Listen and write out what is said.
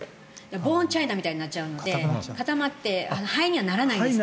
ボーンチャイナみたいになっちゃうので固まって灰にはならないんです。